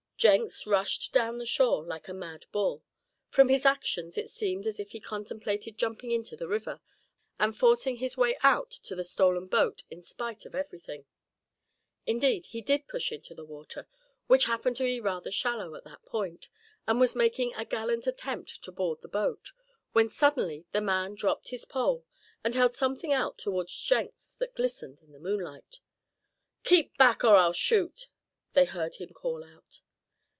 Jenks rushed down the shore like a mad bull. From his actions it seemed as if he contemplated jumping into the river, and forcing his way out to the stolen boat in spite of everything. Indeed, he did push into the water, which happened to be rather shallow at that point, and was making a gallant attempt to board the boat, when suddenly the man dropped his pole, and held something out toward Jenks that glistened in the moonlight. "Keep back or I'll shoot!" they heard him call out.